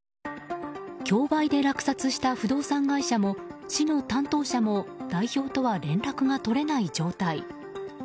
競売で落札した不動産会社も市の担当者も代表とは連絡が取れない状態。